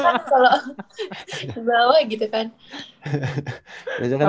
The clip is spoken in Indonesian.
kalau bawah gitu kan